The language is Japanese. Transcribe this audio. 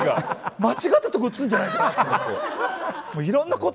間違ったとこ打つんじゃないかなと思って。